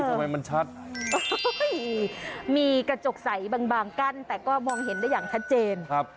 ทำไมมันชัดมีกระจกใสบางบางกั้นแต่ก็มองเห็นได้อย่างชัดเจนครับ